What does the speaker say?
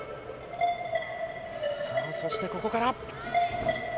そしてここから。